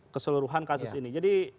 keseluruhan kasus ini jadi